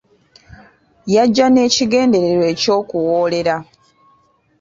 Yajja n'ekigendererwa eky'okuwoolera.